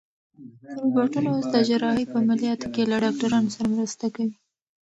روبوټونه اوس د جراحۍ په عملیاتو کې له ډاکټرانو سره مرسته کوي.